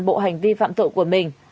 bộ hành vi phạm tội của mình